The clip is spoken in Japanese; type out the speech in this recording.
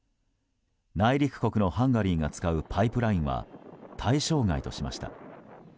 内陸国のハンガリーが使うパイプラインは対象外としました。